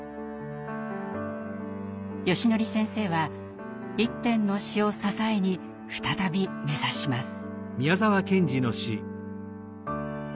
よしのり先生は一編の詩を支えに再び目指します。